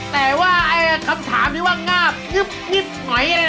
แต่ว่าคำถามที่ว่างาบงิบเหนื่อยนี่นะ